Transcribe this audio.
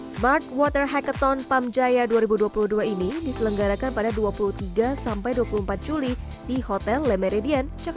smart water hack town pam jaya dua ribu dua puluh dua ini diselenggarakan pada dua puluh tiga juli